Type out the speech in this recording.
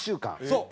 そう。